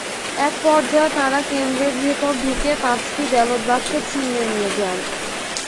একপর্যায়ে তাঁরা কেন্দ্রের ভেতরে ঢুকে পাঁচটি ব্যালট বাক্স ছিনিয়ে নিয়ে যান।